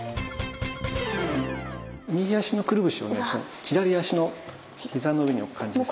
右足のくるぶしを左足の膝の上に置く感じで。